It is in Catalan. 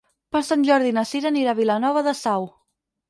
Per Sant Jordi na Cira anirà a Vilanova de Sau.